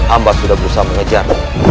amba sudah berusaha mengejar